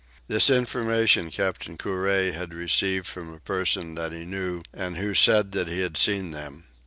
This information Captain Couvret had received from a person that he knew and who said he had seen them.